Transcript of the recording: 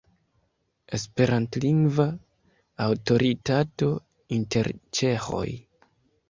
Esperantlingva aŭtoritato inter ĉeĥoj.